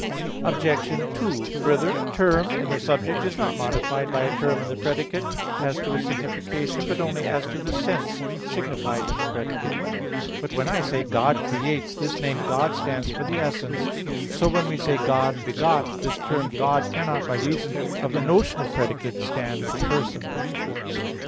Obj. 2: Further, a term in the subject is not modified by a term in the predicate, as to its signification; but only as to the sense signified in the predicate. But when I say, "God creates," this name "God" stands for the essence. So when we say "God begot," this term "God" cannot by reason of the notional predicate, stand for person.